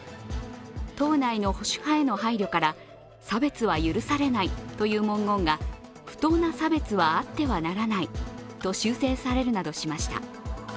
党内の保守派への配慮から差別は許されないという文言が不当な差別はあってはならないと修正されるなどしました。